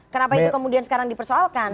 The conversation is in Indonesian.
kenapa itu kemudian sekarang dipersoalkan